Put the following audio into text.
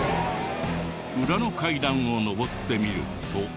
裏の階段を上ってみると。